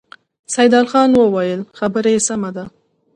سيدال خان وويل: خبره يې سمه ده.